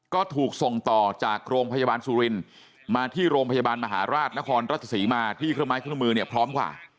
ก็ถูกส่งต่อจากโรงพยาบาลสุรินมาที่โรงพยาบาลมหาราชนครราชศรีมาที่เครื่องไม้เครื่องมือเนี่ยพร้อมกว่า